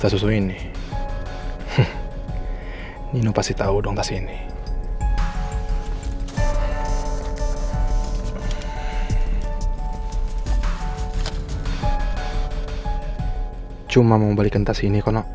tas susu ini ini pasti tahu dong tas ini cuma mau balikin tas ini karena riki